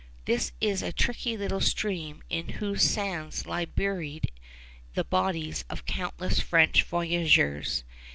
This is a tricky little stream in whose sands lie buried the bodies of countless French voyageurs.